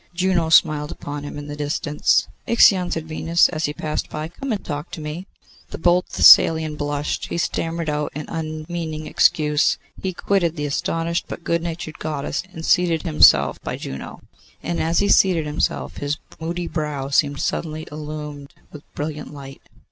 Juno smiled upon him in the distance. 'Ixion,' said Venus, as he passed by, 'come and talk to me.' The bold Thessalian blushed, he stammered out an unmeaning excuse, he quitted the astonished but good natured Goddess, and seated himself by Juno, and as he seated himself his moody brow seemed suddenly illumined with brilliant light.